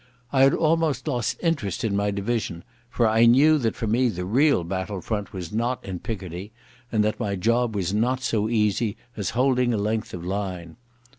I had almost lost interest in my division, for I knew that for me the real battle front was not in Picardy, and that my job was not so easy as holding a length of line.